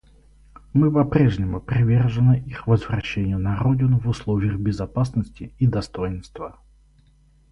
Мы попрежнему привержены их возвращению на родину в условиях безопасности и достоинства.